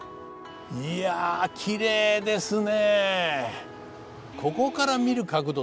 いやきれいですね。